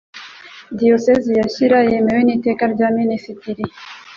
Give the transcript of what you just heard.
Diyoseze ya Shyira yemewe n Iteka rya Minisitiri